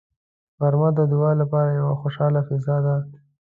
غرمه د دعا لپاره یوه خوشاله فضا ده